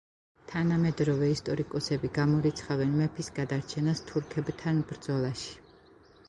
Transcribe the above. თანამედროვე ისტორიკოსები გამორიცხავენ მეფის გადარჩენას თურქებთან ბრძოლაში.